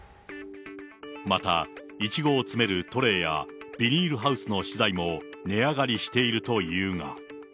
また、イチゴを詰めるトレーや、ビニールハウスの資材も値上がりしているというが。